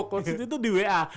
waktu itu di wa